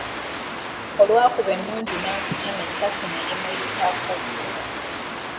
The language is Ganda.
Olwakuba emmundu n'akutama essasi ne limuyitako.